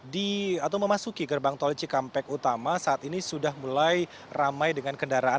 di atau memasuki gerbang tol cikampek utama saat ini sudah mulai ramai dengan kendaraan